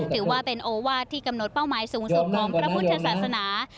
ถือว่าเป็นโอวาสที่กำหนดเป้าหมายสูงสุดของพระพุทธศาสนา